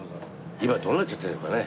今どうなっちゃってるのかね？